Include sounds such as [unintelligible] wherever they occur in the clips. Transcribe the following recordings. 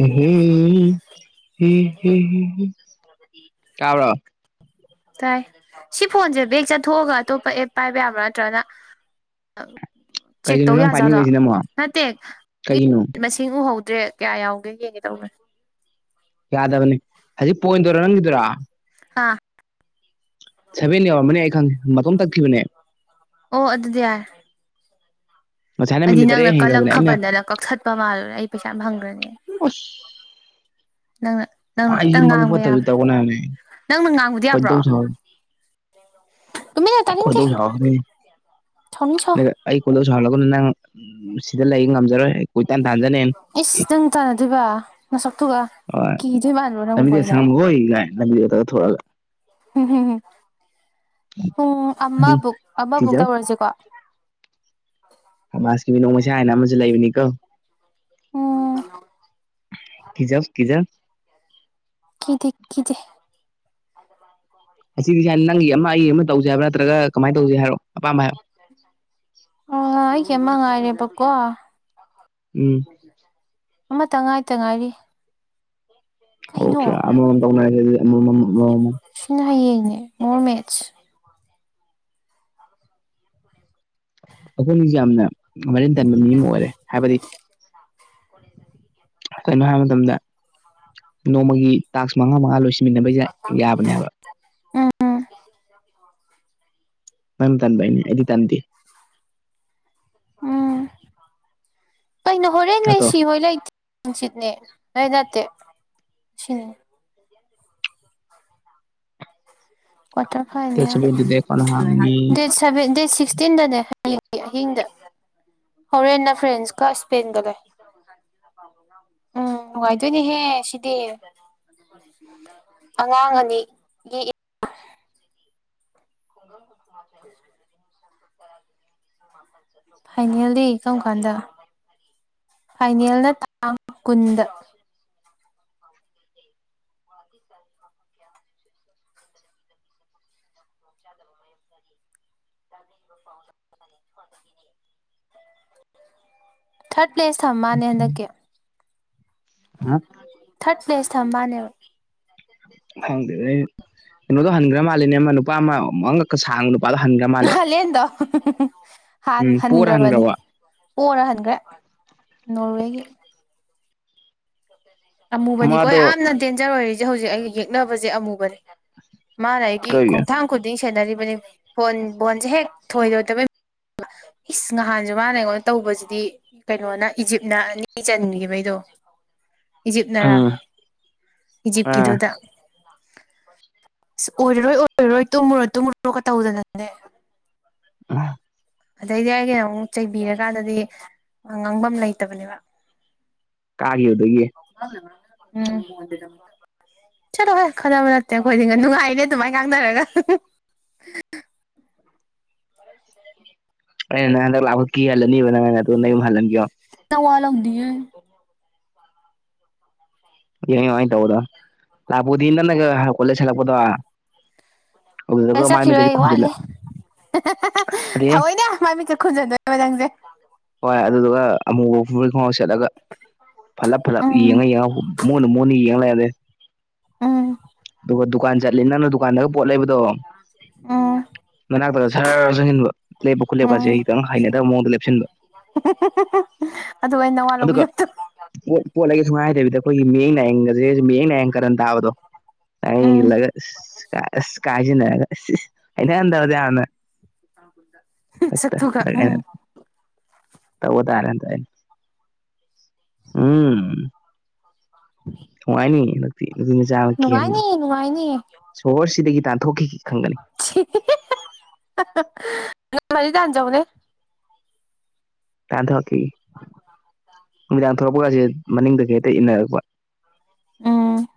ꯑꯦꯍꯦ ꯍꯦ ꯍꯦ ꯍꯦ ꯇꯥꯕ꯭ꯔꯣ [unintelligible] ꯇꯥꯏ ꯁꯤ ꯐꯣꯟꯁꯦ ꯕꯦꯛ ꯆꯠꯊꯣꯛꯑꯒ ꯑꯇꯣꯞꯄ ꯑꯦꯞ ꯄꯥꯏꯕ ꯌꯥꯕ꯭ꯔꯥ ꯅꯠꯇ꯭ꯔꯅ ꯆꯦꯛ ꯀꯩꯒꯤꯅꯣ ꯇꯧꯌꯥꯖꯥꯠꯂꯣ ꯅꯠꯇꯦ ꯀꯩꯅꯣ ꯃꯁꯤꯡ ꯎꯍꯧꯗ꯭ꯔꯦ ꯀꯌꯥ ꯌꯥꯎꯒꯦ ꯌꯦꯡꯒꯦ ꯇꯧꯕꯅꯦ ꯌꯥꯗꯕꯅꯤ ꯍꯧꯖꯤꯛ ꯄꯣꯏꯟ ꯗꯨꯔ ꯅꯪꯒꯤꯗꯨꯔꯥ ꯍꯥ ꯁꯚꯦꯟ ꯌꯧꯔꯝꯃꯅꯤ ꯑꯩ ꯈꯪꯉꯦ ꯃꯇꯣꯝ ꯇꯛꯈꯤꯕꯅꯦ ꯑꯣ ꯑꯗꯨꯗꯤ ꯌꯥꯏ꯫ ꯉꯁꯥꯏꯅ ꯑꯩꯗꯤ ꯃꯤꯅꯤꯠ ꯇꯔꯦꯠ ꯅꯪꯅ ꯍꯦꯟꯈ꯭ꯔꯕꯅꯦ ꯑꯩꯅ ꯀꯜꯂꯛꯈꯕꯗꯅ ꯀꯛꯊꯠꯄ ꯃꯥꯜꯂꯨꯔꯦ ꯑꯩ ꯄꯩꯁꯥ ꯐꯪꯈ꯭ꯔꯅꯤ꯫ ꯑꯁ ꯅꯪꯅ ꯅꯪꯅ ꯑꯩꯁꯤ ꯈꯇꯪ ꯃꯕꯨꯛ ꯉꯥꯡꯕ ꯐꯠꯇꯕꯁꯤ ꯌꯥꯕ꯭ꯔꯥ ꯇꯧꯒꯅꯣ ꯍꯥꯏꯕꯅꯦ ꯅꯪꯅ ꯉꯥꯡꯕꯗꯤ ꯌꯥꯕ꯭ꯔꯣ꯫ ꯈꯣꯏꯗꯧ ꯁꯥꯎꯔꯦ ꯇꯨꯃꯤꯝ ꯂꯩꯎ ꯇꯥꯅꯤꯡꯗꯦ ꯈꯣꯏꯗꯧ ꯁꯥꯎꯔꯒꯅꯤ ꯁꯥꯏꯅꯤꯡ ꯁꯥꯎ꯫ ꯑꯗꯨꯒ ꯑꯩ ꯀꯣꯟꯗꯧ ꯁꯥꯏꯍꯜꯂꯛꯀꯅꯨ ꯅꯪ ꯁꯤꯗ ꯂꯩ ꯉꯝꯖꯔꯣꯏ꯫ ꯀꯣꯏꯇꯥꯟ ꯇꯥꯟꯖꯅꯦꯅ ꯏꯁꯁ ꯅꯪ ꯇꯥꯟꯅꯗꯣꯏꯕ ꯅꯁꯛꯇꯨꯒ ꯍꯣꯏ ꯀꯤ ꯂꯝꯕꯤꯗ ꯁꯪꯉꯝꯃꯈꯣꯏ ꯏ ꯉꯥꯏ ꯂꯝꯕꯤꯗ ꯑꯇ ꯊꯣꯛꯂꯛꯑꯒ ꯎꯝ ꯄꯨꯡ ꯎꯝ ꯑꯃꯕꯨꯛ ꯑꯃꯕꯨꯛ ꯀꯤꯖꯕ ꯇꯧꯔꯁꯤꯀꯣ ꯁꯃꯥꯖꯀꯤ ꯃꯤꯅꯣꯛ ꯃꯩꯁꯥ ꯍꯥꯏꯅ ꯑꯃꯁꯨ ꯂꯩꯕꯅꯤ ꯀꯣ ꯎꯝ ꯀꯤꯖꯧ ꯀꯤꯖꯧ ꯀꯤꯗꯦ ꯀꯤꯗꯦ ꯑꯁꯤꯒꯤꯖ ꯁꯥꯏꯅ ꯅꯪꯒꯤ ꯑꯃ ꯑꯩ ꯑꯃ ꯇꯧꯖꯦ ꯍꯥꯏꯕ꯭ꯔꯥ ꯅꯠꯇ꯭ꯔꯒ ꯀꯃꯥꯏꯅ ꯇꯧꯖꯦ ꯍꯥꯏꯔꯣ ꯑꯄꯥꯝꯕ ꯍꯥꯏꯔꯣ ꯑ ꯑꯩꯒꯤ ꯀꯦꯝꯃ ꯉꯥꯏꯔꯦ ꯄꯀꯣ ꯎꯝ ꯑꯃ ꯇꯉꯥꯏ ꯇꯉꯥꯏꯔꯤ ꯑꯣ ꯈꯌꯥ ꯑꯃꯃꯝ ꯇꯧꯅꯔꯖꯦ ꯑꯃꯃꯝ ꯁꯤꯅ ꯍꯌꯦꯡꯅꯦ ꯃꯣꯔ ꯃꯦꯖ ꯑꯩꯈꯣꯏ ꯃꯤꯁꯦ ꯌꯥꯝꯅ ꯃꯔꯤꯟ ꯇꯟꯕ ꯃꯤ ꯑꯃ ꯑꯣꯏꯔꯦ ꯍꯥꯏꯕꯗꯤ ꯀ [unintelligible] ꯀꯩꯅꯣ ꯍꯥꯏꯕ ꯃꯇꯝꯗ ꯅꯣꯡꯃꯒꯤ ꯇꯥꯛꯁ ꯃꯉꯥ ꯃꯉꯥ ꯂꯣꯏꯁꯤ ꯎꯝ ꯎꯝ ꯅꯪ ꯇꯟꯕꯩꯅꯦ ꯑꯩꯗꯤ ꯇꯟꯗꯦ ꯎꯝ ꯄꯩꯅꯣ ꯍꯣꯔꯦꯟ ꯅꯠꯇ꯭ꯔꯣ ꯃꯁꯤ ꯍꯣꯏ ꯂꯩꯇꯤ ꯅꯨꯡꯆꯤꯠꯅꯦ ꯅ ꯅꯠꯇꯦ ꯁꯤꯅꯤ ꯀ꯭ꯋꯥꯇꯔ ꯗꯦꯠ ꯐꯥꯏꯅꯦꯜ ꯁꯚꯦꯟꯗꯨꯗꯤ ꯀꯣꯟꯅ ꯍꯥꯡꯉꯅꯤ ꯗꯦꯠ ꯁꯚꯦꯟ ꯗꯦꯠ ꯁꯤꯛꯁꯇꯤꯟꯗꯅꯦ ꯍꯌꯦꯡ ꯑꯍꯤꯡꯗ ꯍꯣꯔꯦꯟꯅ ꯐ꯭ꯔꯦꯟꯁ ꯀ ꯁꯄꯦꯟꯒ ꯂꯩ ꯎꯝ ꯅꯨꯡꯉꯥꯏꯗꯣꯏꯅꯦꯍꯦ ꯁꯤꯗꯤ ꯑꯉꯥꯡ ꯑꯅꯤ [unintelligible] ꯐꯥꯏꯅꯦꯜꯗꯤ ꯀꯔꯝ ꯀꯥꯟꯗ ꯐꯥꯏꯅꯦꯜꯅ ꯇꯥꯡ ꯀꯨꯟꯗ ꯀ [unintelligible] ꯗꯔꯃꯌꯔꯤ ꯇ ꯐꯥꯎ ꯊꯠ ꯊꯔꯦ [unintelligible] ꯊꯥꯔꯠ ꯄ꯭ꯂꯦꯁ ꯊꯝ ꯃꯥꯜꯅꯦ ꯍꯟꯗꯛꯀꯤ ꯑ [unintelligible] ꯊꯥꯔꯠ ꯄꯂꯦꯁ ꯊꯝꯕꯅꯦꯕ ꯍꯪꯗꯦꯗ ꯀꯩꯅꯣꯗꯣ ꯍꯟꯈ꯭ꯔ ꯃꯥꯜꯂꯤꯅꯦ ꯑꯃ ꯅꯨꯄꯥ ꯑꯃ ꯃꯉꯛꯀ ꯁꯥꯡꯕꯗꯣ ꯄꯜ ꯍꯪꯒꯥꯝ ꯍꯥꯂꯦꯟꯗꯣ ꯍꯥꯟ ꯎꯝ ꯄꯣꯔ ꯍꯟꯒ꯭ꯔꯕꯅꯤ ꯍꯟꯈ꯭ꯔꯕ ꯄꯣꯔꯥ ꯍꯟꯈ꯭ꯔꯦ ꯅꯣꯔꯋꯦꯒꯤ ꯑꯃꯨꯕꯅꯤꯀꯣ ꯃꯥꯗꯣ ꯌꯥꯝꯅ ꯗꯦꯟꯖꯔ ꯑꯣꯏꯔꯤꯁꯦ ꯍꯧꯖꯤꯛ ꯑꯩ ꯌꯦꯛꯅꯕꯁꯦ ꯑꯃꯨꯕꯅꯤ ꯃꯥꯅ ꯑꯩꯒꯤ ꯀꯩ ꯈꯣꯡꯊꯥꯡ ꯈꯨꯗꯤꯡ ꯁꯦꯟꯅꯔꯤꯕꯅꯤ ꯕꯣꯟ ꯕꯣꯟꯁꯦ ꯍꯦꯛ ꯊꯣꯏꯔꯣꯏꯗꯕꯩ ꯏꯁ ꯉꯍꯥꯟꯁꯨ ꯃꯥꯅ ꯑꯩꯉꯣꯟꯗ ꯇꯧꯕꯁꯤꯗꯤ ꯀꯩꯅꯣꯅ ꯏꯖꯤꯞꯅ ꯑꯅꯤ ꯆꯟꯈꯤꯕꯩꯗꯣ ꯏꯖꯤꯞꯅꯔꯥ ꯎꯝ ꯑꯥ ꯏꯖꯤꯞꯀꯤꯗꯨꯗ ꯑꯁ ꯑꯣꯏꯔꯔꯣꯏ ꯑꯣꯏꯔꯔꯣꯏ ꯇꯨꯝꯃꯨꯔꯣ ꯇꯨꯝꯃꯨꯔꫭꯒ ꯇꯧꯗꯅꯅꯦ ꯑ ꯑꯗꯩꯗꯤ ꯑꯩꯒꯤꯅ ꯑꯃꯨꯛ ꯆꯩꯕꯤꯔꯀꯥꯟꯗꯗꯤ ꯉꯥꯡꯕꯝ ꯂꯩꯇꯕꯅꯦꯕ ꯀꯥꯒꯤꯕꯗꯨꯒꯤ ꯎꯝ ꯆꯠꯂꯣ ꯍꯦ ꯈꯠꯅꯕ ꯅꯠꯇꯦ ꯑꯩꯈꯣꯏꯗꯤ ꯅꯨꯡꯉꯥꯏꯅꯦ ꯑꯗꯨꯃꯥꯏ ꯉꯥꯡꯅꯔꯒ [unintelligible] ꯑꯩꯅ ꯅꯪ ꯍꯟꯗꯛ ꯂꯥꯛꯄꯗ ꯀꯤꯍꯜꯂꯅꯤꯕ ꯅꯪꯅꯗꯣ ꯅ ꯌꯨꯝ ꯍꯜꯂꯟꯒꯦ ꯅꯋꯥꯂꯧꯗꯤ ꯑꯦ ꯌꯦꯟ ꯑꯗꯨꯃꯥꯏ ꯇꯧꯕꯗꯣ ꯂꯥꯛꯄꯨꯗꯤ ꯅꯪꯅꯒ ꯀꯣꯂꯦꯖ ꯍꯂꯛꯄꯗꯣ ꯆꯠꯈꯤꯔꯣꯏ ꯑꯩ ꯋꯥꯠꯂꯤ ꯑꯗꯩ ꯊꯑꯣꯏꯅ ꯃꯥꯏ ꯃꯤꯠꯀꯥ ꯈꯨꯝꯖꯟꯗꯣꯏꯕ ꯅꯪꯁꯦ ꯍꯣꯏ ꯑꯗꯨꯗꯨꯒ ꯑꯃꯨꯕ ꯐꯨꯔꯤꯠ ꯈꯣꯡꯒꯥꯎ ꯁꯦꯠꯂꯒ ꯐꯠꯂꯞ ꯐꯠꯂꯞ ꯎꯝ ꯌꯦꯡꯉ ꯌꯦꯡꯉ ꯃꯨꯅ ꯃꯨꯅ ꯌꯦꯡꯂꯩꯔꯗꯤ ꯎꯝ ꯗꯨꯒ ꯗꯨꯀꯥꯟ ꯖꯠꯂꯤꯟ ꯅꯪꯅ ꯗꯨꯀꯥꯟꯗꯒ ꯄꯣꯠ ꯂꯩꯕꯗꯣ ꯑꯣ ꯃꯅꯥꯛꯇꯗ ꯁꯔ ꯆꯪꯁꯤꯟꯕ ꯂꯦꯞꯄ ꯈꯨꯠꯂꯦꯞꯀꯁꯦ ꯈꯤꯇꯪ ꯍꯩꯅꯗꯕ ꯃꯑꯣꯡꯗ ꯂꯦꯞꯁꯤꯟꯕ ꯑꯍꯥ ꯍꯥ ꯍꯥ ꯍꯥ ꯑꯗꯨ ꯑꯩꯅ ꯅꯋꯥ ꯂꯧꯕꯤꯗꯕꯗꫭ ꯄꫭꯠ ꯄꫭꯠ ꯂꯩꯒꯦ ꯁꯨꯡꯍꯥꯏ ꯍꯥꯏꯗꯕꯤꯗ ꯑꯩꯈꯣꯏꯒꯤ ꯃꯤꯌꯦꯡ ꯅꯥꯏꯌꯦꯡꯒꯖꯦ ꯃꯤꯠꯌꯦꯡ ꯅꯥꯏꯌꯦꯡ ꯀꯔꯟ ꯇꯥꯕꯗꯣ ꯁꯥꯏꯅ ꯎꯝ ꯌꯦꯡꯖꯤꯡꯂꯒ ꯑꯁ ꯀꯥꯏ ꯑꯁ ꯀꯥꯏ ꯍꯥꯏꯖꯤꯟꯅꯔꯒꯁꯤ ꯑꯁ ꯍꯩꯅꯍꯟꯗꯕꯗꫭ ꯌꯥꯝꯅ ꯍꯟꯗꯛ ꯃꯁꯛꯇꯨꯒ ꯑꯩꯅ ꯎꯝ ꯇꯧꯕ ꯇꯥꯔꯦ ꯍꯟꯇꯛ ꯑꯩꯅ ꯎꯝ [unintelligible] ꯅꯨꯡꯉꯥꯏꯅꯤ ꯍꯟꯗꯛꯇꯤ ꯅꯨꯄꯤ ꯃꯆꯥ ꯑꯃ ꯀꯤꯍꯟꯒꯦ ꯅꯨꯡꯉꯥꯏꯅꯤ ꯅꯨꯡꯉꯥꯏꯅꯤ ꯁꯣꯍꯣꯔꯁꯤꯗꯒꯤ ꯇꯥꯟꯊꯣꯛꯈꯤꯒꯦ ꯈꯪꯒꯅꯤ ꯁꯤ ꯍꯥ ꯍꯥ ꯉꯝꯃꯗꯤ ꯇꯥꯟꯖꯧꯅꯦ ꯇꯥꯟꯊꫭꯛꯈꯤꯒꯦ ꯅꯨꯃꯤꯗꯥꯡ ꯊꫭꯛꯂꯛꯄꯒꯖꯦ ꯃꯅꯤꯡꯗꯒꯤ ꯍꯦꯛꯇ ꯏꯟꯅꯔꯛꯄ ꯎꯝ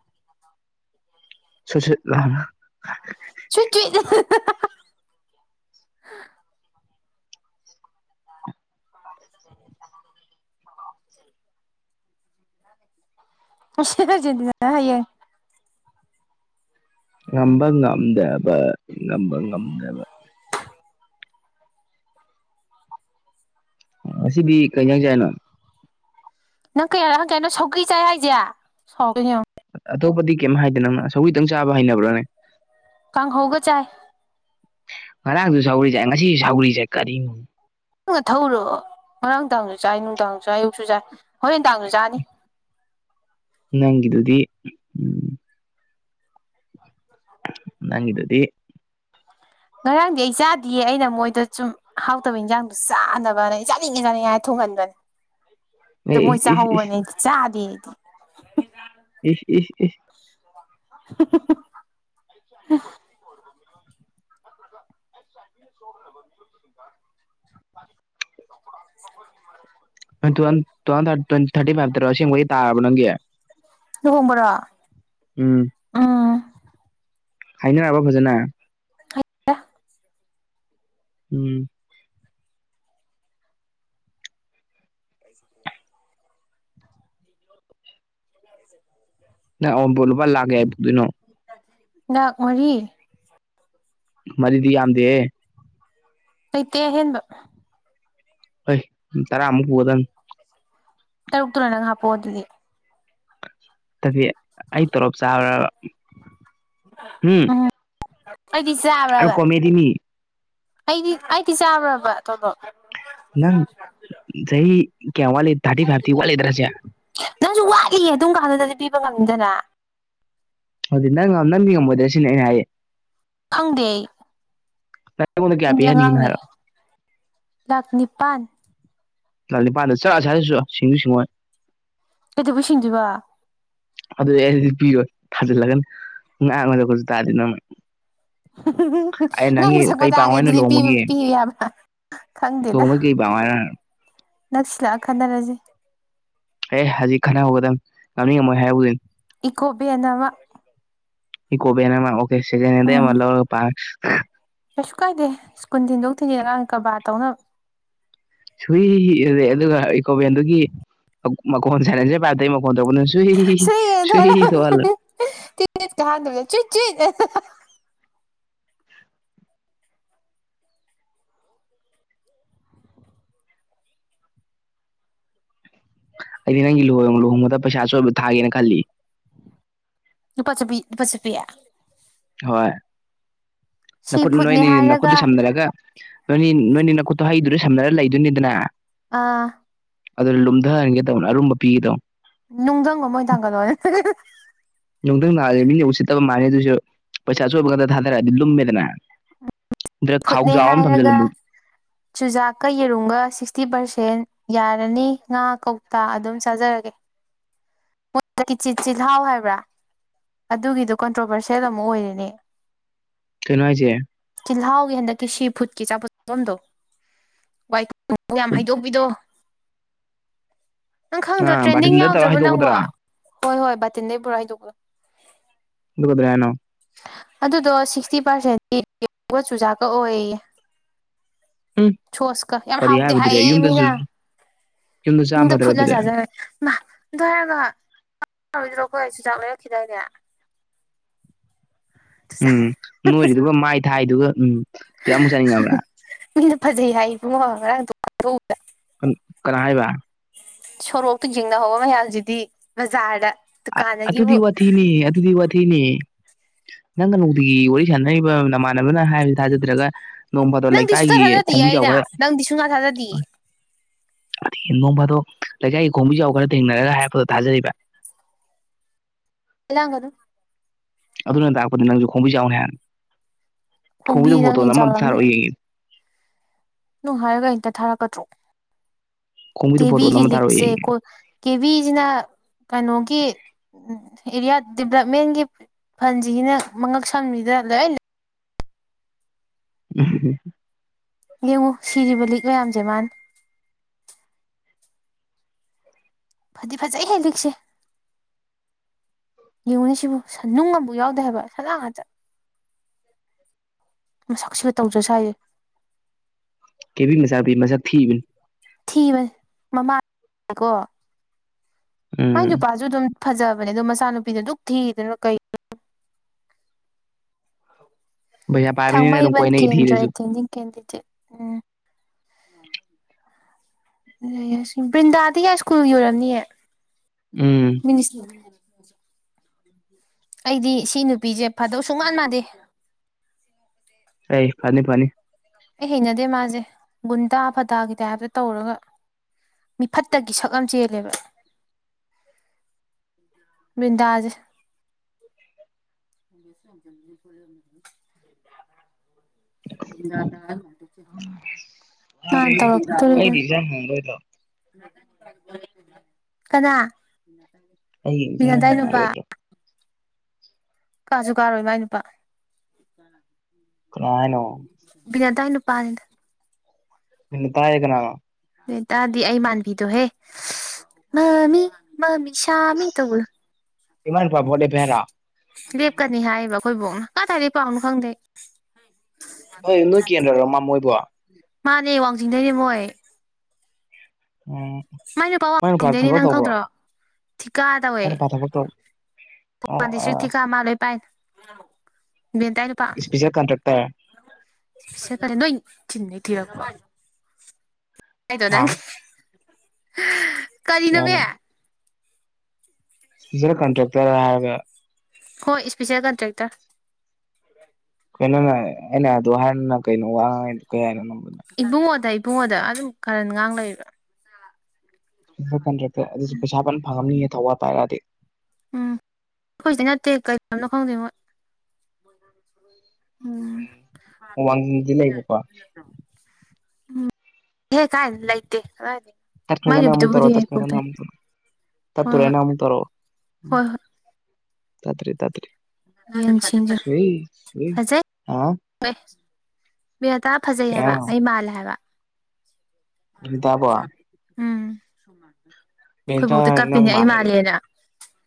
ꯁꯨꯠ ꯁꯨꯠ ꯂꯥꯎꯅ ꯁꯨꯏ ꯆꯤꯠ ꯑꯍꯥ ꯍꯥ ꯍꯥ ꯒ [unintelligible] ꯉꯁꯤꯅ ꯑꯔꯖꯦꯟꯇꯤꯅ ꯍꯌꯦꯡ ꯉꯝꯕ ꯉꯝꯗꯕ ꯉꯝꯕ ꯉꯝꯗꯕ ꯉꯁꯤꯗꯤ ꯀꯩ ꯏꯟꯖꯥꯡ ꯆꯥꯏꯅꯣ ꯅꯪ ꯀꯌꯥꯔꯛ ꯍꯪꯀꯦ ꯍꯥꯏꯅꫭ ꯁꯧꯒꯔꯤ ꯆꯥꯏ ꯍꯥꯏꯖꯦ ꯁꯥꯎꯔꯛꯇꫭꯏꯅꯤ ꯌꯦꯉꯣ ꯑꯇꯣꯞꯄꯗꯤ ꯀꯩꯝ ꯍꯥꯏꯗꯦ ꯅꯪꯅ ꯁꯧꯒꯔꯤ ꯇꯪ ꯆꯥꯕ ꯍꯩꯅꯕ꯭ꯔꯅꯦ ꯀꯥꯡꯍꯧꯒ ꯆꯥꯏ ꯉꯔꯥꯡꯖꯨ ꯁꯧꯒꯔꯤ ꯆꯥꯏ ꯉꯁꯤꯁꯨ ꯁꯧꯒꯔꯤ ꯆꯥꯏ ꯀꯔꯤꯅꯣ ꯅꯪ ꯅꯊꯧꯔꯣ ꯉꯔꯥꯡ ꯗꯥꯡꯖꯨ ꯆꯥꯏ ꯅꯨꯡꯗꯥꯡ ꯆꯥꯏ ꯑꯌꯨꯛꯁꯨ ꯆꯥꯏ ꯍꯣꯔꯦꯟ ꯗꯥꯡꯖꯨ ꯆꯥꯅꯤ ꯅꯪꯒꯤꯗꯨꯗꯤ ꯎꯝ ꯅꯪꯒꯤꯗꯨꯗꯤ ꯉꯔꯥꯡꯗꯤ ꯑꯩ ꯆꯥꯗꯤꯌꯦ ꯑꯩꯅ ꯃꯣꯏꯗ ꯁꯨꯝ ꯑꯍꯥꯎꯇꯕ ꯏꯟꯖꯥꯡꯗꯨ ꯆꯥꯅꯕꯅ ꯆꯥꯅꯤꯡꯉꯦ ꯆꯅꯤꯡꯉꯦ ꯍꯥꯏꯔꯒ ꯊꯣꯡꯍꯟꯕꯅꯦ ꯑꯗꯨ ꯑꯦ ꯃꯣꯏ ꯏꯁ ꯏꯁ ꯆꯥꯍꯧꯕꯅꯦ ꯑꯩꯗꯤ ꯆꯥꯗꯦ ꯑꯩꯗꯤ ꯏꯁ ꯏꯁ ꯏꯁ ꯍꫭ ꯍꫭ ꯍꫭ ꯍ [unintelligible] [unintelligible] ꯑꯥ ꯇꯨꯊꯥꯎ ꯇꯨꯊꯥꯎꯖꯟ ꯊꯔ ꯇꫭꯟ ꯊꯔꯇꯤ ꯐꯥꯏ꯭ꯕꯇꯔꫭ ꯑꯁꯦꯡꯕꯩ ꯇꯥꯔꯕꫭ ꯅꯪꯒꯤ ꯂꯨꯍꯣꯡꯕꯔꯣ ꯎꯝ ꯎꯝ ꯍꯥꯏꯅꯔꯕꫭ ꯐꯖꯅꯥ ꯍ [unintelligible] ꯎꯝ [inaudible] ꯅꯪ ꯑꯎꯨꯟꯄꯣꯠ ꯂꯨꯄꯥ ꯂꯥꯛ ꯀꯌꯥꯒꯤ ꯄꯨꯗꯣꯏꯅꯣ ꯂꯥꯛ ꯃꯔꯤ ꯃꯔꯤꯗꯤ ꯌꯥꯝꯗꯦꯍꯦ ꯂꯩꯇꯦ ꯑꯍꯦꯟꯕ ꯍꯩ ꯇꯔꯥꯃꯨꯛ ꯄꯨꯒꯗꯧꯅꯦ ꯇꯔꯨꯛ ꯇꯨꯅ ꯅꯪ ꯍꯥꯄꯛꯑꯣ ꯑꯗꯨꯗꯤ ꯇꯕꯤ ꯑꯩ ꯇꫭꯂꯣꯞ ꯆꯥꯕꯔꯕ ꯍꯨꯝ ꯎꯝ ꯑꯩꯗꯤ ꯆꯥꯕ꯭ꯔꯕ ꯕꯤꯅꯤ [unintelligible] ꯑꯩꯗꯤ ꯑꯩꯗꯤ ꯆꯥꯕꯔꯕ ꯇꫭꯂꫭꯄ ꯅꯪ ꯆꯍꯤ ꯀꯌꯥꯝ ꯋꯥꯠꯂꯤ ꯊꯔꯇꯤ ꯐꯥꯏ꯭ꯕꯇꯤ ꯋꯥꯠꯂꯤꯗꯔꯁꯤ ꯅꯪꯖꯨ ꯋꯥꯠꯂꯤꯌꯦ ꯑꯗꯨꯝ ꯀꯥꯟꯗꯨꯗꯗꯤ ꯄꯤꯕ ꯉꯝꯅꯤꯗꯅ ꯑꯗꯨꯗꯤ ꯅꯪ ꯅꯪꯗꯤ ꯉꯝꯃꯣꯏꯗ꯭ꯔ ꯁꯤꯅꯦ ꯑꯩꯅ ꯍꯥꯏꯖ‌ꯦ ꯈꯪꯗꯦ ꯑꯩ ꯅꯪ ꯑꯩꯉꯣꯟꯗ ꯀꯌꯥ ꯑꯩꯗꯤ ꯄꯤꯍꯟꯅꯤꯡꯉꯤꯅꯣ ꯑꯉꯥꯡꯅꯦ ꯍꯥꯏꯔꯣ ꯂꯥꯛ ꯅꯤꯄꯥꯟ ꯂꯥꯛ‌ ꯅꯤꯄꯗꫭ ꯆꯠꯂ ꯑꯁꯥꯕꯥ ꯂꯩꯆꫭꯆꫭ ꯁꯤꯡꯁꯨꯨ ꯁꯤꯡꯉꯛꯑꫭꯏ ꯀꯩꯗꯧꯕꯩ ꯁꯤꯡꯗꯣꯏꯕ ꯑꯗꯨꯗꯤ ꯑꯩꯗꯤ ꯄꯤꯔꯣꯏ ꯊꯥꯖꯤꯜꯂꯛꯀꯅꯤ ꯉꯥꯡꯕ ꯁꯛꯄꯁꯨ ꯇꯥꯗꯦ ꯅꯪꯅꯥ ꯉꯥꯡꯕ ꯁꯛꯄ ꯀꯩ ꯇꯥꯒꯦ ꯄꯥꯝꯃꯣ ꯍꯥꯏꯅꯣ ꯑꯗꯨꯗꯤ ꯄꯤꯕ ꯂꯨꯍꯣꯡꯕꯒꯤ ꯌꯥꯕꯔꯥ ꯈꯪꯗꯦꯗ ꯂꯨꯍꯣꯡꯕꯒꯤ ꯀꯩ ꯄꯥꯝꯃꯣ ꯍꯥꯏꯅꯣ ꯅꯪꯁꯤꯟꯂꯥꯛꯑ ꯈꯟꯅꯔꯁꯦ ꯑꯦ ꯍꯧꯖꯤꯛ ꯈꯔ ꯍꯧꯒꯗꯕ ꯉꯝꯅꯤꯡ ꯉꯝꯃꯣꯏ ꯍꯥꯏꯍꯧꯗꫭꯏꯅꯤ ꯏꯀꯣꯕ‌ꯦꯟ ꯑꯃꯥ ꯏꯀꯣꯕꯦꯟ ꯑꯃꯥ ꯑꯣꯀ‌ꯦ ꯁꯦꯀ‌ꯦꯟ ꯍ‌ꯦꯟꯗꯩ ꯑꯃ ꯎꯝ ꯂꯧꯔꯥ ꯄꯥꯡꯉꯒ‌ꯦ ꯀꯩꯁꯨ ꯀꯥꯏꯗꯦ ꯁ꯭ꯀꯨꯜ ꯊꯤꯟꯗꯣꯛ ꯊꯤꯟꯖꯤꯟ ꯀꯔꯕꯥꯔ ꯇꯧꯅꯕ ꯁꯨꯏ ꯑꯗꯨꯒ ꯏꯀꯣꯕꯦꯟꯗꯨꯒꯤ ꯃꯈꯣꯟ ꯁꯥꯟꯂ‌ꯦꯟꯁꯔ ꯄꯥꯏꯞꯇꯩ ꯃꯈꫭꯟ ꯃꯈꫭꯟ ꯊꫭꯔꯛꯄꯅꯥ ꯁꯨꯍ ꯁꯨꯏ ꯊꫭꯛꯍꯟꯂꫭ ꯇꯅꯦ ꯀ ꯍꯥꯟꯗ ꯆꯨ ꯆꯤ [unintelligible] ꯑꯩꯗꯤ ꯅꯪꯒꯤ ꯂꯨꯍꯣꯡꯕ ꯂꯨꯍꯣꯡꯕꯗ ꯄꯩꯁꯥꯑꯆꫭꯏꯕ ꯊꯥꯒꯦꯅ ꯈꯜꯂꯤꯌ‌ ꯂꯨꯄꯥ ꯆꯞꯄꯤ ꯂꯨꯄꯥ ꯆꯞꯄꯤ ꯍꯣꯏ ꯁꯤ ꯅꯈꯨꯠ ꯐꯨꯠꯅꯦ ꯅꯣꯏꯅꯤ ꯅꯈꯨꯠꯇꯨ ꯍꯥꯏꯔꯒ ꯁꯝꯅꯔꯒ ꯅꯣꯏꯅꯤ ꯅꯣꯏꯅꯤ ꯅꯈꯨꯠꯇꯣ ꯍꯩꯗꯨꯗ ꯁꯝꯅꯔ ꯂꯩꯗꯣꯏꯅꯤꯗꯅ ꯑꯥ ꯑꯗꯨꯗ ꯂꯨꯝꯊꯍꯟꯒꯦ ꯇꯧꯕꯅ ꯑꯔꯨꯝꯕ ꯄꯤꯒꯦ ꯊꯧꯕꯅ‌ꯦ ꯅꯨꯡꯗꯪ ꯑꯃꯥ ꯑꫭꯏꯅ ꯊꯥꯡꯒꯠꯂꯛꯑꫭꯅ‌ꯦ ꯅꯨꯡꯊꯪ ꯊꯔꯗꯤ ꯃꯤꯅ ꯎꯁꯤꯠꯇꯕ ꯃꯥꯥꯟꯅꯤ ꯑꯗꯨꯁꯨ ꯄꯩꯁꯥ ꯑꯆꫭꯏꯕ ꯈꯛꯇ ꯊꯥꯗꯔꯛꯑꯗꯤ ꯂꯨꯝꯃꯦꯗꯅ ꯅꯠ꯭ꯇꯔ ꯐꯨꯠꯅꯦ ꯈꯥꯎꯖꯥꯎ ꯑꯃ ꯊꯝꯖꯤꯜꯂꯝꯕ ꯍꯥꯏꯔꯒ ꯆꯨꯖꯥꯛꯀ ꯌꯦꯔꯨꯝꯒ ꯁꯤꯛꯁꯇꯤ ꯄꯥꯔꯁꯦꯟ ꯌꯥꯔꯅꯤ ꯉꯥ ꯀꯧꯇꯥ ꯑꯗꯨꯝ ꯆꯥꯖꯔꯒꯦ ꯃꯣꯏ ꯍꯟꯊꯛꯀꯤ ꯆꯤꯜꯍꯥꯎ ꯍꯥꯏꯕ꯭ꯔꯥ ꯑꯗꯨꯒꯤꯗꯣ ꯀꯟꯇ꯭ꯔꯣꯚꯔꯁꯌꯦꯜ ꯑꯃꯨꯛ ꯑꯣꯏꯔ‌ꯦꯅꯦ ꯀꯩꯅꫭ ꯍꯥꯏꯁ‌ꯦ ꯇꯤꯜꯍꯥꯎꯒꯤ ꯍꯟꯗꯛꯀꯤ ꯁꯤ ꯐꯨꯠꯀꯤ ꯆꯥꯚꯝꯗꯣ ꯋꯥꯏ ꯌꯥꯝ ꯍꯥꯏꯗꯣꯛꯄꯤꯗꯣ ꯅꯪ ꯈꯪꯗ꯭ꯔꯣ ꯑꯥ ꯇ꯭ꯔꯦꯟꯗꯤꯡ ꯕꯥꯔꯇꯤꯟꯗ ꯇꯧꯔ ꯌꯥꯎꯗ꯭ꯔꯕꯣ ꯍꯩꯗꯣꯛꯄꯗꯨꯔꯣ ꯅꯪꯕꫭ ꯍꯣꯏ ꯍꯣꯏ ꯕꯥꯔꯇꯤꯟꯗꯩ ꯄꯨꯔꯥ ꯍꯩꯏꯗꯣꯛꯄꯗꫭ ꯑꯗꯨ ꯀꯩꯗꯧꯔ‌ꯦ ꯍꯥꯏꯅꯣ ꯑꯗꯨꯗꯣ ꯁꯤꯛꯁꯇꯤ ꯄꯥꯔꯁꯦꯟꯇꯤ ꯆꯨꯖꯥꯛꯀ ꯑꯣꯏꯌꯦ [unintelligible] ꯎꯝ ꯁꯣꯁꯀ ꯌꯥꯝ ꯀꯔꯤ ꯍꯥꯎꯇꯦ ꯍꯥꯏꯕꯗꯨꯗꯤ ꯍꯥꯏꯑꯦ ꯌꯨꯝꯗꯁꯨ ꯃꯤꯅ ꯌꯨꯝꯗ ꯆꯥꯝ ꯗ ꯐꯗ꯭ꯔ ꯑꯗꯨꯗꯤ ꯐꯨꯂ ꯆꯖꯔꯦ ꯃꯥ ꯔꯒ [inaudible] ꯇꯥꯎꯣꯏꯗ꯭ꯔꯣ ꯑꯩꯈ ꯑꯩꯁꯨ ꯆꯥꯛ ꯂꯩꯔꯛꯈꯤꯗꯥꯏꯅꯦ [inaudible] ꯎꯝ ꯆꯨꯖꯥꯛ ꯅꯣꯏꯔꯤꯗꯨꯒ ꯃꯥꯏ ꯊꯥꯏꯗꯨꯒ ꯎꯝꯆꯨꯖꯥꯛ ꯑꯃꯨꯛ ꯆꯅꯤꯡꯉꯛꯑꯕ꯭ꯔꯥ ꯃꯤꯅ ꯐꯖꯩ ꯍꯥꯏ ꯏꯕꯨꯡꯉꯣ ꯉꯔꯥꯡꯗꯨꯀꯥꯟꯊꯣꯛꯎꯕꯗꯥ ꯀꯅꯥ ꯍꯥꯏꯕ ꯁꯣꯔꯣꯛꯇ ꯌꯦꯡꯅ ꯍꯧꯕ ꯃꯌꯥꯝꯁꯤꯗꯤ ꯕꯖꯥꯔꯗ ꯑꯗꯨꯗꯤ ꯗꯨꯀꯥꯟꯗꯒꯤꯕꯨ ꯋꯥꯊꯤꯅꯦ ꯑꯗꯨꯗꯤ ꯋꯥꯊꯤꯅꯦ ꯅꯪꯅ ꯅꯨꯡꯇꯤꯒꯤ ꯋꯥꯔꯤ ꯁꯥꯟꯅꯔꯤꯕ ꯅꯃꯥꯟꯅ ꯅꯃꯥꯟꯅꯕꯅ ꯍꯥꯏꯕꯁꯤ ꯊꯥꯖꯗ꯭ꯔꯒ ꯅꯣꯡ ꯐꯥꯗꯣꯛ ꯅꯪꯗꯤ ꯁꯨꯡꯊꯥ ꯂꯩꯀꯥꯏꯒꯤ ꯊꯥꯖꯗꯤꯌꯦ ꯈꯣꯡꯕꯤ ꯖꯥꯎ ꯑꯩꯅ ꯈꯔ ꯅꯪꯗꯤ ꯁꯨꯡꯊꯥ ꯊꯥꯖꯗꯤꯌꯦ ꯑꯗꯒꯤ ꯅꯣꯡ ꯐꯥꯗꯣꯜ ꯂꯩꯀꯥꯏꯒꯤ ꯈꯣꯕꯤ ꯖꯥꯎ ꯈꯔ ꯊꯦꯡꯅꯔꯒ ꯍꯥꯏꯕꯗꯣ ꯊꯥꯖꯔꯤꯕ ꯂꯥꯡꯒꯅꯨ ꯑꯗꯨꯅ ꯇꯥꯛꯄꯗꯤ ꯅꯪꯁꯨ ꯈꯣꯡꯕꯤ ꯖꯥꯎꯅꯤ ꯍꯥꯏꯅ ꯈꯣꯡꯕꯤꯗꯣ ꯈꯣꯡꯕꯤ ꯐꯣꯇꯣ ꯅꯪ ꯍꯦꯟꯅ ꯅꯝꯃ ꯑꯃꯇ ꯊꯥꯔꯛꯑꯣ ꯌꯦꯡꯒꯦ ꯅꯪ ꯍꯥꯏꯔꯒ ꯍꯦꯛꯇ ꯊꯥꯔꯛꯀꯗ꯭ꯔꯣ ꯈꯣꯡꯕꯤꯗꯣ ꯐꯣꯇꯣ ꯀꯦꯕꯤꯒꯤ ꯑꯃ ꯊꯥꯔꯛꯑꯣ ꯂꯤꯛꯁꯦ ꯌꯦꯡꯒꯦ ꯀꯣ ꯀꯦꯕꯤꯁꯤꯅ ꯀꯩꯅꯣꯒꯤ ꯎꯝ ꯑꯦꯔꯤꯌꯥ ꯗꯤꯕꯂꯞꯃꯦꯟꯒꯤ ꯐꯟꯁꯤꯒꯤꯅ ꯃꯉꯛ ꯁꯝꯂꯤꯗ ꯂꯣꯏ ꯎꯝ ꯌꯦꯡꯉꯨ ꯁꯤꯔꯤꯕ ꯂꯤꯛ ꯃꯌꯥꯝꯁꯦ ꯃꯥꯅ ꯐꯗꯤ ꯐꯖꯩꯍꯦ ꯂꯤꯛꯁꯦ ꯌꯦꯡꯉꯨꯅꯦꯁꯤꯕꯨ ꯅꯨꯡ ꯑꯃꯕꯨꯛ ꯌꯥꯎꯗꯦ ꯍꯥꯏꯕ ꯁꯅꯥ ꯉꯥꯛꯇ ꯃꯁꯛꯁꯤꯒ ꯇꯧꯖ ꯁꯥꯏꯌꯦ ꯀꯦꯕꯤ ꯃꯆꯥꯅꯨꯄꯤ ꯃꯁꯛ ꯊꯤꯕꯅꯦ ꯊꯤꯕꯅꯦ ꯃꯃꯥꯅꯀꯣ ꯃꯥꯏ ꯎꯝ ꯅꯨꯄꯥꯁꯨ ꯑꯗꯨꯝ ꯐꯖꯕꯅꯦ ꯑꯗꯣ ꯃꯥꯏ ꯃꯆꯥ ꯅꯨꯨꯄꯤꯗꯨ ꯑꯗꯨꯛ ꯊꯤꯔꯤꯗꯨꯅ ꯀꯩꯅꯣ ꯄꯩꯁꯥ ꯄꯥꯏꯕꯅꯤꯅ ꯑꯗꯨꯝ ꯊꯥꯡꯃꯩꯕꯟ ꯀꯣꯏꯅꯩ ꯀꯦꯟꯗ꯭ꯔ ꯊꯤꯔꯁꯨ ꯑꯦꯇꯦꯟꯗꯤꯡ ꯀꯦꯟꯗꯤꯗꯦꯠ ꯎꯝ ꯕ꯭ꯔꯤꯟꯗꯥꯗꯤ ꯌꯥꯏꯁ꯭ꯀꯨꯜꯒꯤ ꯑꯣꯏꯔꯝꯅꯤꯌꯦ ꯎꯝ ꯃꯤꯅꯤꯁ ꯑꯩꯗꯤ ꯁꯤ ꯅꯨꯄꯤꯁꯦ ꯐꯗꯧ ꯁꯨꯡ ꯃꯥꯟ ꯃꯥꯟꯗꯦ ꯍꯩ ꯐꯅꯤ ꯐꯅꯤ ꯑꯩ ꯍꯩꯅꯗꯦ ꯃꯥꯁꯦ ꯒꯨꯟꯗꯥ ꯐꯗꯥꯒꯤ ꯇꯥꯏꯞꯇ ꯇꯧꯔꯒ ꯃꯤꯐꯠꯇꯒꯤ ꯁꯛ ꯑꯃ ꯆꯦꯜꯂꯦꯕ ꯕ꯭ꯔꯤꯟꯗꯥꯖꯦ ꯁꯅꯤ ꯐꯂ [inaudible] ꯂꯥꯅꯇꯒꯦ [inaudible] ꯑꯣꯏꯣꯏꯗꯣ [inaudible] ꯀꯅꯥ ꯑꯩ ꯌꯦꯡꯁ ꯕꯤꯅꯥꯗꯥꯏ ꯅꯨꯄꯥ ꯌꯥꯔꯣꯏꯗ꯭ꯔꯣ [inaudible] ꯀꯥꯁꯨ ꯀꯥꯔꯣꯏ ꯃꯥꯏ ꯅꯨꯄꯥ ꯀꯅꯥ ꯍꯥꯏꯅꯣ ꯕꯤꯅꯥꯇꯥ ꯅꯨꯄꯥꯅꯤꯗ ꯕꯥꯅꯥꯇꯥ ꯍꯥꯏꯗꯤ ꯀꯅꯥꯅꯣ ꯕꯥꯅꯥꯇꯥꯗꯤ ꯑꯩ ꯃꯥꯟꯕꯤꯗꯣꯍꯦ ꯃꯥꯃꯤ ꯃꯥꯃꯤ ꯁꯥꯃꯤ ꯇꯧꯕꯗꯣ ꯏꯃꯥꯏ ꯅꯨꯄꯥ ꯕꯣꯠ ꯂꯦꯞꯄꯦ ꯍꯥꯏꯔꫭ ꯂꯦꯞꯀꯅꯤ ꯍꯥꯏꯌꯦꯕ ꯑꯩꯈꯣꯏꯕꯨ ꯀꯗꯥꯏꯗ ꯄꯥꯎꯅꯣ ꯈꯪꯗꯦ ꯅꯣꯏ ꯅꯣꯏ UNINTELLIGIBLE ꯀꯦꯟꯗ꯭ꯔꯔꯣ ꯃꯥ ꯃꯣꯏꯕꯣ ꯃꯥꯅꯦ ꯋꯥꯡꯖꯤꯡꯗꯩꯅꯦ ꯃꯣꯏ ꯎꯝ ꯃꯥꯏ ꯅꯨꯄꯥ ꯋꯥꯡꯖꯤꯡꯗꯩꯅꯦ ꯅꯪ ꯈꯪꯗ꯭ꯔꯣ ꯊꯤꯀꯥ ꯇꯧꯋꯦ ꯃꯥꯏ ꯅꯨꯄꯥ ꯊꯕꯛ ꯇꯧ ꯑꯣ ꯊꯥꯎꯕꯟ ꯗꯤꯁꯇꯛ ꯊꯤꯀꯥ ꯑꯁ ꯃꯥ ꯂꫭꯏ ꯄꯥꯏꯔꯤꯅꯤ ꯕꯤꯅꯤꯇꯥ ꯅꯨꯄꯥ ꯏꯁꯄꯤꯁꯦꯜ ꯀꯟꯇ꯭ꯔꯦꯛꯇꯔ [unintelligible] ꯍꯥꯏꯗꯣ ꯍꯥ ꯅꯪ ꯀꯔꯤꯅꯣꯃꯤ ꯀꯩꯅꯣ ꯏꯁꯄꯤꯁꯌꯦꯜ ꯀꯟꯇ꯭ꯔꯦꯛꯇꯔ ꯍꯥꯏꯔꯒ ꯍꯣꯏ ꯏꯁꯄꯤꯁꯌꯦꯜ ꯀꯟꯇ꯭ꯔꯦꯛꯇꯔ ꯀꯩꯅꯣꯅꯦ ꯑꯩꯅ ꯑꯗꯨ ꯍꯥꯏꯅ ꯀꯩꯅꯣ ꯍꯥꯏꯒꯦꯅꯦ ꯏꯕꯨꯡꯉꯣꯗ ꯏꯕꯨꯡꯉꯣꯗ ꯑꯗꯨꯝ ꯀꯥꯔꯟ ꯉꯥꯡ ꯂꯩꯔꯤꯕ ꯑꯗꯨ ꯀꯟꯇ꯭ꯔꯦꯛꯇꯔ ꯑꯗꯨꯁꯨ ꯄꯩꯁꯥ ꯐꯖꯅ ꯐꯪꯉꯝꯅꯤꯌꯦ ꯊꯧꯕꯥꯜ ꯄꯥꯏꯔꯛꯑꯗꯤ ꯎꯝ ꯑꯩꯈꯣꯏꯁꯤꯗꯩ ꯅꯠꯇꯦ ꯀꯩ ꯂꯝꯅꯣ ꯈꯪꯗꯦ ꯃꯣꯏ [inaudible] ꯎꯝ ꯋꯥꯡꯖꯤꯡꯗꯤ ꯂꯩꯕ ꯀꯣ ꯍꯦ ꯀꯥꯏ ꯂꯩꯇꯦ ꯀꯥꯏꯅꯤ [inaudible] ꯇꯥꯠ ꯈꯔꯒꯅ ꯑꯃꯨꯛ ꯇꯧꯔꯛꯑꫭ ꯇꯥꯠ ꯈꯔꯒꯅ ꯑꯃꯨꯛ ꯇꯧꯔꯛꯑꫭ ꯍꯣꯏ ꯇꯥꯠꯇꯨꯔꯦꯅ ꯑꯃꯨꯛ ꯇꯧꯔꯛꯑꫭ ꯍꯣꯏ ꯍꯣꯏ ꯇꯥꯠꯇꯥꯔꯤ ꯇꯥꯠꯇꯥꯔꯤ ꯍꯣꯏ ꯌꯦꯡꯁꯤꯟꯖꯦ ꯁꯋꯤꯏ ꯁꯋꯤꯏ ꯑꯥꯎ ꯑꯦ ꯕꯤꯅꯇꯥ ꯐꯖꯩ ꯀꯩ ꯍꯥꯏꯕ ꯍꯥꯏꯅꯣ ꯑꯩ ꯃꯥꯜꯂꯦ ꯍꯥꯏꯕ ꯇꯥꯕꯣ UNINTELLIGIBLE ꯑꯥꯈꫭꯏ ꯕꫭꯛꯇꯤ ꯕꯦꯡꯀꯔ ꯅꯪ ꯀꯞꯄꯤꯅꯦ ꯑꯩ ꯃꯥꯜꯂꯦ ꯃꯥꯜꯂꯦꯅ